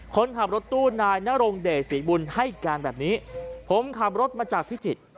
คนขับรถตู้นายนรงเดชศรีบุญให้การแบบนี้ผมขับรถมาจากพิจิตร